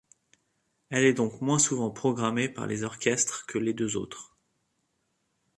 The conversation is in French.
Elle est donc moins souvent programmée par les orchestres que les deux autres.